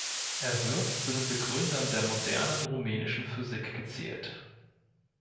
Er wird zu den Begründern der modernen rumänischen Physik gezählt.